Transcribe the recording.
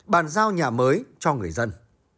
bàn giao nhà mới cho người dân